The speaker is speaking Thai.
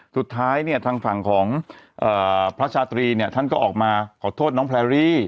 สุดท้ายเนี่ยทางฝั่งของพระชาตรีเนี่ยท่านก็ออกมาขอโทษน้องแพรรี่